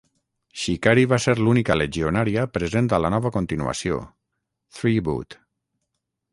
Shikari va ser l'única legionària present a la nova continuació, "Threeboot".